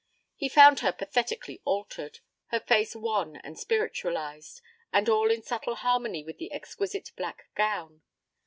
He found her pathetically altered her face wan and spiritualized, and all in subtle harmony with the exquisite black gown.